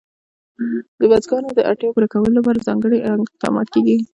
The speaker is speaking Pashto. د بزګانو د اړتیاوو پوره کولو لپاره ځانګړي اقدامات کېږي.